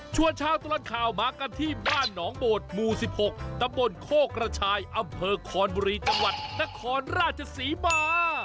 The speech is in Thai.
ชาวตลอดข่าวมากันที่บ้านหนองโบดหมู่๑๖ตำบลโคกระชายอำเภอคอนบุรีจังหวัดนครราชศรีมา